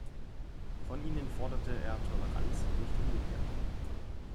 Von ihnen forderte er Toleranz, nicht umgekehrt.